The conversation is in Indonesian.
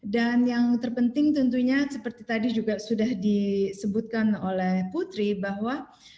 dan yang terpenting tentunya seperti tadi juga sudah disebutkan oleh putri bahwa